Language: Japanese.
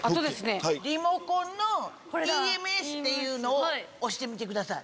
リモコンの「ＥＭＳ」を押してみてください。